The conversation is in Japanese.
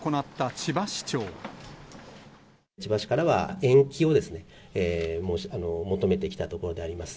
千葉市からは延期を求めてきたところであります。